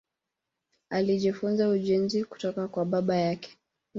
Alijifunza ujenzi kutoka kwa baba yake.